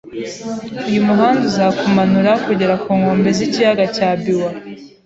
Uyu muhanda uzakumanura kugera ku nkombe z'ikiyaga cya Biwa.